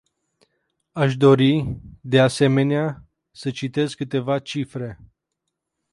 Aș dori, de asemenea, să citez câteva cifre.